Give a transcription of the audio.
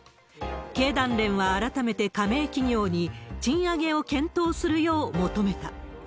経団連は改めて加盟企業に、賃上げを検討するよう求めた。